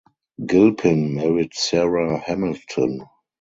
Gilpin married Sarah Hamilton.